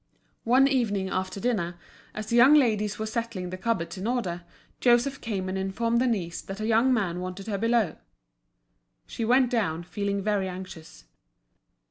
One evening, after dinner, as the young ladies were setting the cupboards in order, Joseph came and informed Denise that a young man wanted her below. She went down, feeling very anxious.